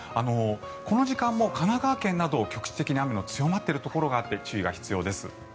この時間も神奈川県など局地的に雨が強まっているところがあって注意が必要です。